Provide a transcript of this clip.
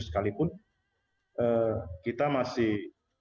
sekalipun kita masih